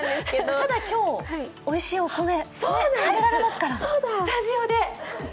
ただ、今日、おいしいお米、食べられますから、スタジオで。